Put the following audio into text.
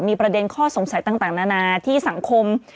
มีประเด็นข้อสงสัยต่างนานาที่สังคม